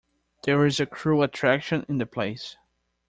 There's a cruel attraction in the place.